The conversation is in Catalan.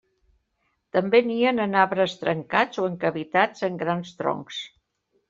També nien en arbres trencats o en cavitats en grans troncs.